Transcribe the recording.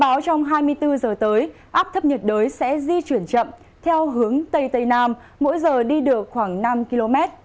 dự báo trong hai mươi bốn giờ tới áp thấp nhiệt đới sẽ di chuyển chậm theo hướng tây tây nam mỗi giờ đi được khoảng năm km